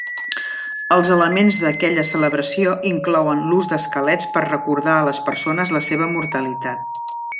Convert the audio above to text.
Els elements d'aquella celebració inclouen l'ús d'esquelets per recordar a les persones la seva mortalitat.